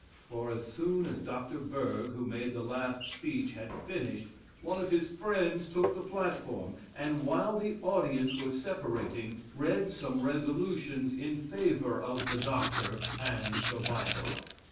For, as soon as Dr. Berg (who made the last speech) had finished, one of his friends took the platform, and, while the audience were separating, read some resolutions in favor of the Doctor and the Bible.